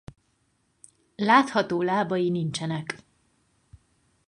Látható lábai nincsenek.